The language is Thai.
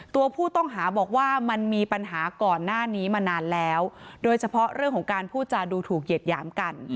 ตัวผู้ต้องหาบอกว่ามันมีปัญหาก่อนหน้านี้มานานแล้วโดยเฉพาะเรื่องของการพูดจาดูถูกเหยียดหยามกัน